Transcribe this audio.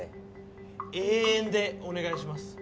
永遠でお願いします。